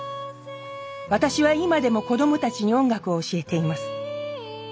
私は今でも子供たちに音楽を教えています。